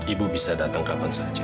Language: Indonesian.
ibu bisa datang kapan saja